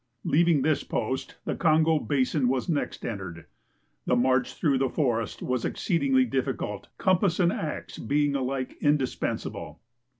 Leaving this post, the Kongo basin was next entered. The march through the forest was exceedingly difficult, compass and ax being alike indispensable.